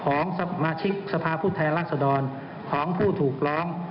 ของสมาชิกสภาพผู้แทนรัศดรของผู้ถูกร้อง